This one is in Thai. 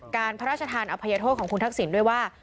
การพระราชทางภรรยาโทษของคุณทักษิณด้วยว่า